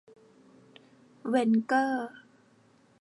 เวนเกอร์